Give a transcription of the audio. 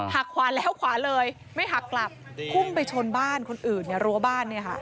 ขวาแล้วขวาเลยไม่หักกลับพุ่งไปชนบ้านคนอื่นเนี่ยรั้วบ้านเนี่ยค่ะ